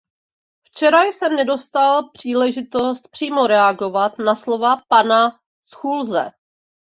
Včera jsem nedostal příležitost přímo reagovat na slova pana Schulze.